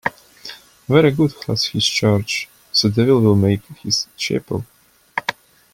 Where God has his church, the devil will have his chapel.